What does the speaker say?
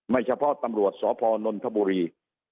เฉพาะตำรวจสพนนทบุรี